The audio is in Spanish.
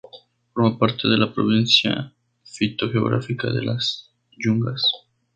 Forma parte de la provincia fitogeográfica de las yungas.